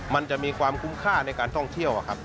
มันจะมีความคุ้มค่าในการท่องเที่ยวครับ